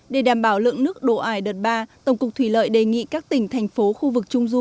để đảm bảo lượng nước đổ ải đợt ba tổng cục thủy lợi đề nghị các tỉnh thành phố khu vực trung du